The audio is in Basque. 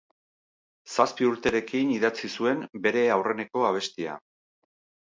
Zazpi urterekin idatzi zuen bere aurreneko abestia.